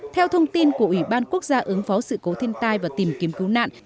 theo thông tin của ủy ban quốc gia ứng phó sự cố thiên tai và tìm kiếm cứu nạn